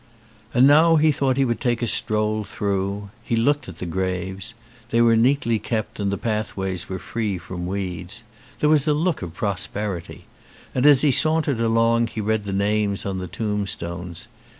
And now he thought he would take a stroll through. He looked at the graves. They were neatly kept and the pathways were free from weeds. There was a look of prosperity. And as he sauntered along he read the names on the tomb stones.